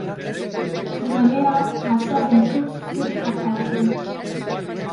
Komeleya Karsazên Kurd-Tirk hate avakirin